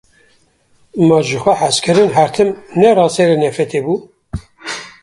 Ma jixwe hezkirin her tim ne raserî nefretê bû?